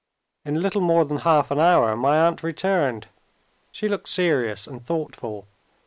In little more than half an hour, my aunt returned. She looked serious and thoughtful.